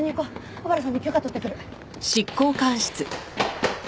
小原さんに許可取ってくる。